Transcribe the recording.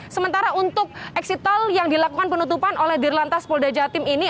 sementara untuk exit tol yang dilakukan penutupan oleh dirlantas polda jatim ini